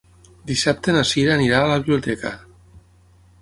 Dissabte na Cira anirà a la biblioteca.